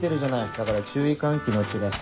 だから注意喚起のチラシ。